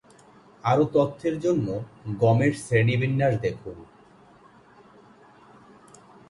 আরও তথ্যের জন্য গমের শ্রেণীবিন্যাস দেখুন।